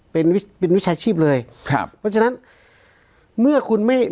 เป็นวิชาชีพเลยครับเพราะฉะนั้นเมื่อคุณไม่